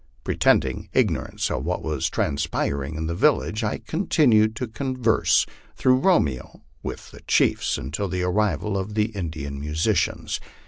Pretending ignorance of what was transpiring in the village, I con tinued to converse, through Romeo, with the chiefs, until the arrival of the Indian musicians.